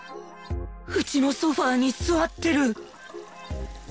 うちのソファに座ってる！